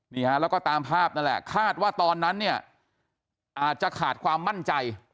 นี่ฮะแล้วก็ตามภาพนั่นแหละคาดว่าตอนนั้นเนี่ยอาจจะขาดความมั่นใจ